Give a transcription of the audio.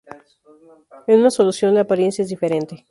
En una solución la apariencia es diferente.